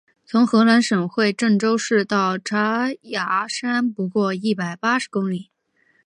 从河南省会郑州市到嵖岈山不过一百八十公里。